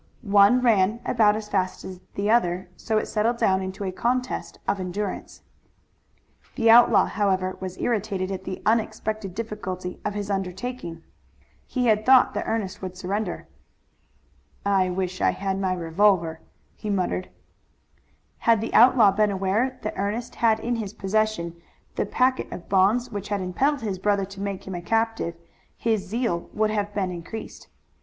One ran about as fast as the other, so it settled down into a contest of endurance. The outlaw, however, was irritated at the unexpected difficulty of his undertaking. He had thought that Ernest would surrender. "I wish I had my revolver," he muttered. Had the outlaw been aware that Ernest had in his possession the packet of bonds which had impelled his brother to make him a captive his zeal would have been increased.